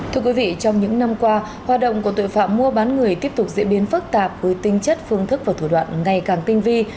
thưa quý vị trong những năm qua hoạt động của tội phạm mua bán người tiếp tục diễn biến phức tạp với tinh chất phương thức và thủ đoạn ngày càng tinh vi